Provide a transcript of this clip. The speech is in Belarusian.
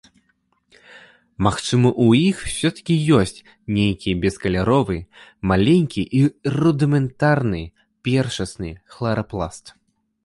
Магчыма ў іх усё-такі ёсць нейкі бескаляровы, маленькі і рудыментарны першасны хларапласт.